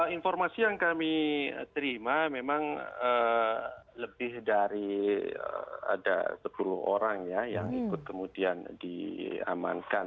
informasi yang kami terima memang lebih dari ada sepuluh orang ya yang ikut kemudian diamankan